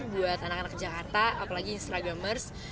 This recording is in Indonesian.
buat anak anak jakarta apalagi instagramers